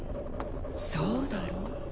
そうだろう？